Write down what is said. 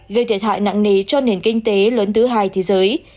gây thiệt hại nặng nề cho nền kinh tế lớn thứ hai thế giới